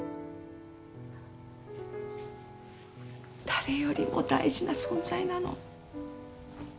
誰よりも大事な存在なの。